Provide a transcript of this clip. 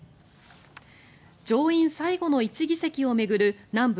上院最後の１議席を巡る南部